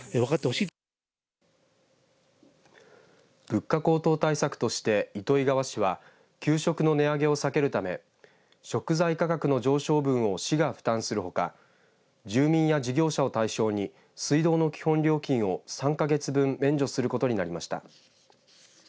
物価高騰対策として糸魚川市は給食の値上げを避けるため食材価格の上昇分を市が負担するほか住民や事業者を対象に水道の基本料金を３か月分免除することになりました。